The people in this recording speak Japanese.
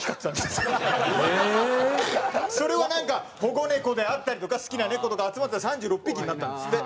それをなんか保護猫であったりとか好きな猫とか集まったら３６匹になったんですって。